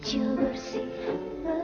kamu mau lihat